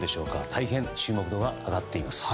大変、注目度が上がっています。